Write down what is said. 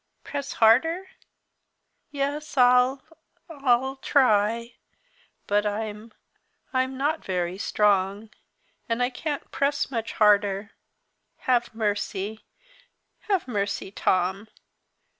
Press harder? Yes, I'll I'll try; but I'm I'm not very strong, and I can't press much harder. Have mercy! have mercy, Tom!